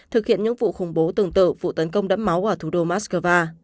thực hiện những vụ khủng bố tương tự vụ tấn công đẫm máu ở thủ đô moscow